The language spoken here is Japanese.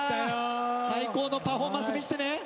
最高のパフォーマンス見せてね。